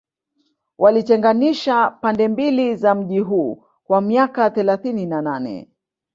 Walitenganisha pande mbili za mji huu kwa miaka thelathini na nane